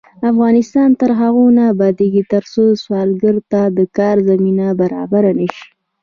افغانستان تر هغو نه ابادیږي، ترڅو سوالګر ته د کار زمینه برابره نشي.